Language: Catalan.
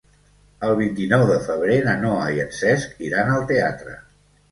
El vint-i-nou de febrer na Noa i en Cesc iran al teatre.